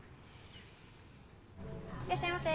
・いらっしゃいませ。